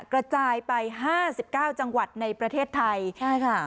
กระจายไป๕๙จังหวัดในประเทศไทย